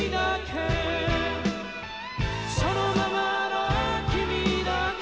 「そのままの君だけ」